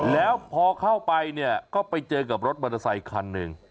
แล้วพอเข้าไปเนี่ยก็ไปเจอกับรถมอเตอร์ไซคันหนึ่ง